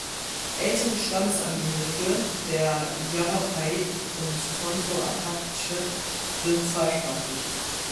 Ältere Stammesangehörige der Yavapai und Tonto Apache sind zweisprachig.